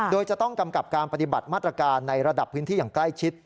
โดยจะต้องกำกับการปฏิบัติมาตรการในระดับพื้นที่อย่างใกล้ชิด